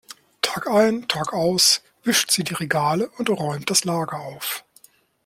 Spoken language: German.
Tagein tagaus wischt sie die Regale und räumt das Lager auf.